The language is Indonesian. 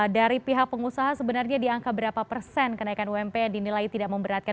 dan dinilai tidak memberatkan